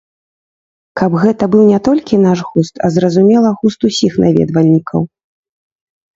Каб гэта быў не толькі наш густ, а, зразумела, густ усіх наведвальнікаў.